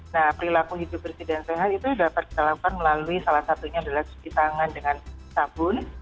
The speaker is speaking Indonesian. nah perilaku hidup bersih dan sehat itu dapat kita lakukan melalui salah satunya adalah cuci tangan dengan sabun